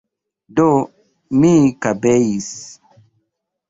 Do, mi kabeis.